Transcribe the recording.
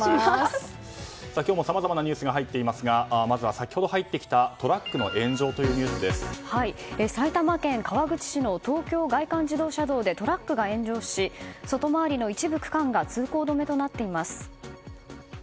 今日もさまざまなニュースが入っていますがまずは先ほど入ってきたトラックの炎上という埼玉県川口市の東京外環自動車道でトラックが炎上し外回りの一部区間が通行止めとなっています。